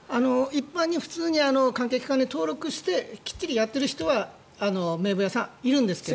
一般に関係機関に登録してきっちりやっている名簿屋さん、いるんですけど。